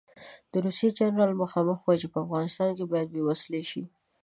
د روسیې جنرال مخامخ وایي چې افغانستان باید بې وسلو شي.